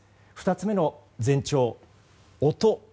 ２つ目の前兆、音。